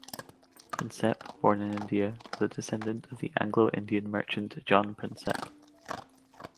Prinsep, born in India, was a descendant of the Anglo-Indian merchant John Prinsep.